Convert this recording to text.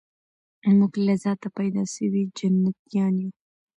موږ له ذاته پیدا سوي جنتیان یو